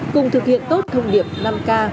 cùng thực hiện tốt thông điệp năm k